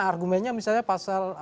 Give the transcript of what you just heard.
argumennya misalnya pasal